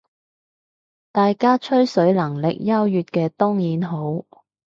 大家吹水能力優越嘅當然好